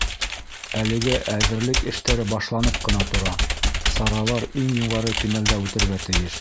Әлегә әҙерлек эштәре башланып ҡына тора, саралар иң юғары кимәлдә үтергә тейеш.